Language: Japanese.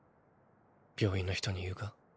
病院の人に言うか？